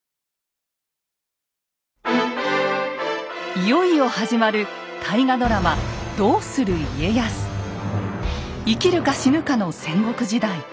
いよいよ始まる生きるか死ぬかの戦国時代。